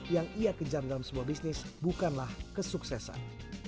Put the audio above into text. yang ia kejar dalam sebuah bisnis bukanlah kesuksesan